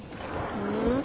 うん？